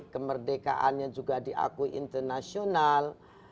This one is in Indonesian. kemerdekaannya juga diakui internasional